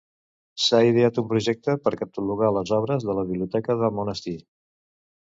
S'ha ideat un projecte per catalogar les obres de la biblioteca del monestir.